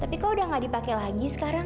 tapi kok udah gak dipakai lagi sekarang